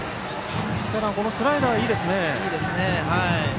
ただ、このスライダーはいいですね。